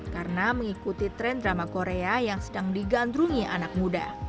karena mengikuti tren drama korea yang sedang digandrungi anak muda